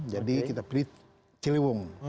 jadi kita pilih ciliwung